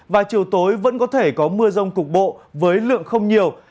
và chiều tối vẫn có thể có mưa rông cục bộ với lượng không nhiều